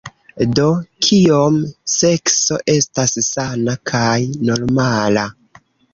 "Do, Kiom sekso estas sana kaj normala?"